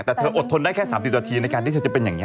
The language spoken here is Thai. แต่เธออดทนได้แค่๓๐นาทีในการที่เธอจะเป็นอย่างนี้